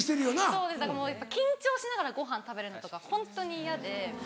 そうですだから緊張しながらごはん食べるのとかホントに嫌で。